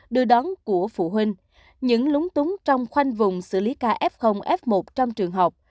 đưa đón của phụ huynh những lúng túng trong khoanh vùng xử lý ca f f một trong trường học